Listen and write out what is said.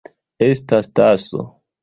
Estas taso.